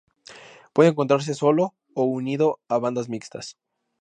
Puede encontrarse solo o unido a bandadas mixtas.